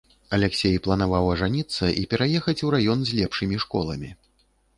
Аляксей планаваў ажаніцца і пераехаць у раён з лепшымі школамі.